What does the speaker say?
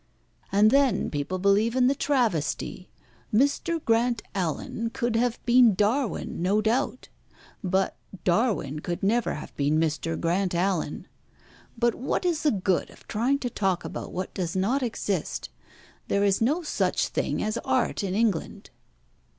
And then people believe in the travesty. Mr. Grant Allen could have been Darwin, no doubt; but Darwin could never have been Mr. Grant Allen. But what is the good of trying to talk about what does not exist. There is no such thing as art in England."